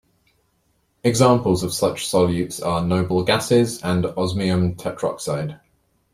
Examples of such solutes are noble gases and osmium tetroxide.